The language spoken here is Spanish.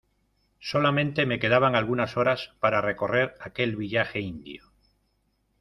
solamente me quedaban algunas horas para recorrer aquel villaje indio.